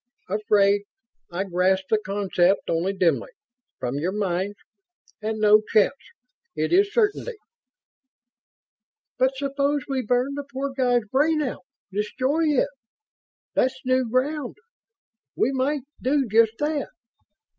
"Afraid? I grasp the concept only dimly, from your minds. And no chance. It is certainty." "But suppose we burn the poor guy's brain out? Destroy it? That's new ground we might do just that."